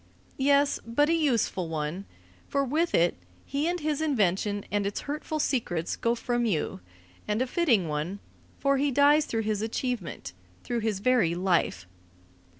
Yes, but a useful one, for with it he and his invention and its hurtful secrets go from you; and a fitting one, for he dies through his achievement, through his very life.